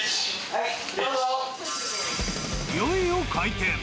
いよいよ開店。